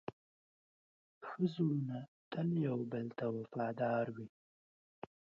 ښه زړونه تل یو بل ته وفادار وي.